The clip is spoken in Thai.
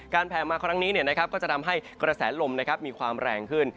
แผลมาครั้งนี้ก็จะทำให้กระแสลมมีความแรงขึ้น